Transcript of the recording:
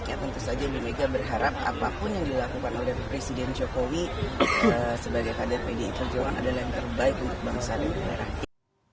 kita lihat dulu mas bersama pernyataan puan maharani yang baru baru ini